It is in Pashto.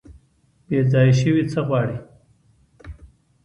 بیځایه شوي څه غواړي؟